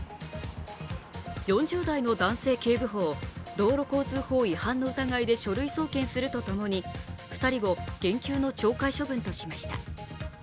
４０代の男性警部補を、道路交通法違反の疑いで書類送検するとともに２人を減給の懲戒処分としました。